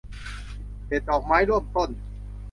เด็ดดอกไม้ร่วมต้น